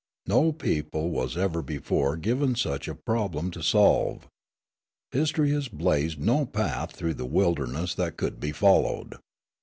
No people was ever before given such a problem to solve. History has blazed no path through the wilderness that could be followed.